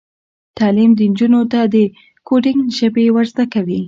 تعلیم نجونو ته د کوډینګ ژبې ور زده کوي.